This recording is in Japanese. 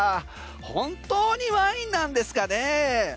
本当にワインなんですかね？